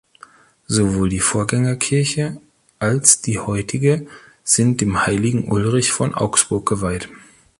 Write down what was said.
Sowohl die Vorgängerkirche als die heutige sind dem Heiligen Ulrich von Augsburg geweiht.